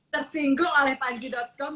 tersinggung oleh panji com